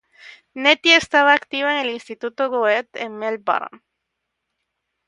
Nettie estaba activa en el Instituto Goethe en Melbourne.